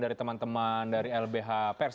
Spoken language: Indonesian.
dari teman teman dari lbh pers